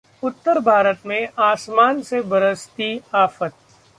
उत्तर भारत में आसमान से बरसती आफत